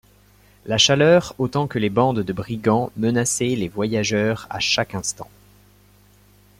La chaleur autant que les bandes de brigands menaçaient les voyageurs à chaque instant.